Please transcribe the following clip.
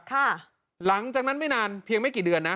หลังจากนั้นไม่นานเพียงไม่กี่เดือนนะ